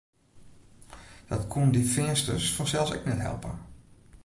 Dat koenen dy Feansters fansels ek net helpe.